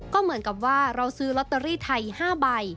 ก็เหมือนกับว่าเราซื้อลอตเตอรี่ไทย๕ใบ